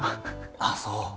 ああそう。